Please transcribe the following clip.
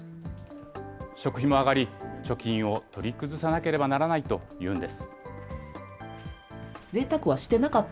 食費も上がり、貯金を取り崩さなければならないというんです。